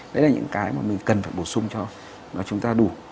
đấy là những cái mà mình cần phải bổ sung cho chúng ta đủ